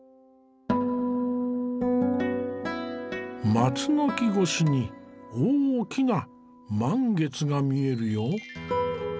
松の木越しに大きな満月が見えるよ。